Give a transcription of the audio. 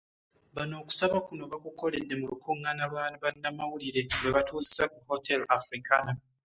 Bano okusaba kuno bakukoledde mu lukuŋŋaana lwa bannamawulire lwe batuuzizza ku Hotel Africana